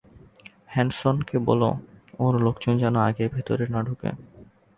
হ্যানসনকে বলো ওর লোকজন যেন আগে ভেতরে না ঢুকে।